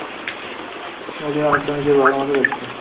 তোমাকে অনেকটা নিজের বাবার মত দেখতে।